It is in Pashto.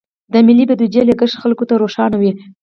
د ملي بودیجې لګښت خلکو ته روښانه وي.